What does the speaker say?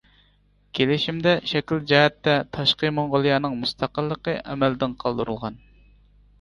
كېلىشىمدە شەكىل جەھەتتە تاشقى موڭغۇلىيەنىڭ مۇستەقىللىقى ئەمەلدىن قالدۇرۇلغان.